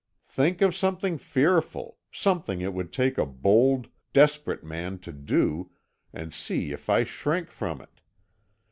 Think of something fearful, something it would take a bold, desperate man to do, and see if I shrink from it.